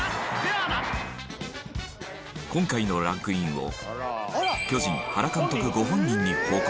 今回のランクインを巨人原監督ご本人に報告。